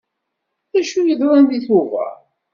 D acu yeḍran deg Tubeṛ?